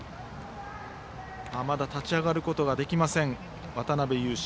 まだ立ち上がることができません渡邊勇伸。